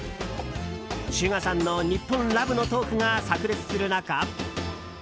ＳＵＧＡさんの日本ラブのトークが炸裂する中。